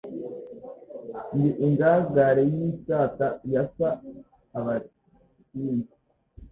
Ndi ingangare y'isata yasa abakinzi,